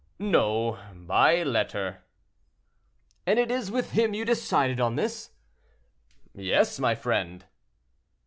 "No, by letter." "And it is with him you decided on this?" "Yes, my friend."